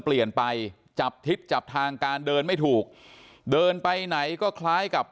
เปลี่ยนไปจับทิศจับทางการเดินไม่ถูกเดินไปไหนก็คล้ายกับ